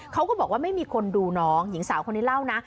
เขาก็บอกว่าไม่มีคนดูน้องหญิงสาวคนนี้เล่านะ